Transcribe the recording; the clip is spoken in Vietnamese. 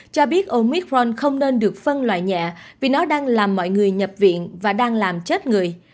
cho biết omicron không nên được phân loại nhẹ vì nó đang làm mọi người nhập viện và đang làm chết người